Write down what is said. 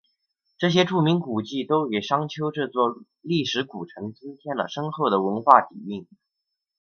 这些著名古迹都给商丘这座历史古城增添了深厚的文化底蕴。